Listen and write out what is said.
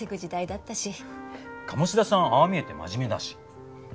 鴨志田さんああ見えて真面目だし。